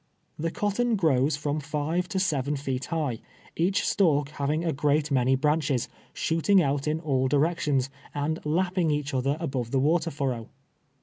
The cotton grows from five to seven feet high, each stalk having a great many branches, shooting out in all directions, and hipping each other above the wa ter furrow.